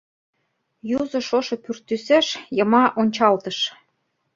Юзо шошо пӱртӱсеш йыма ончалтыш.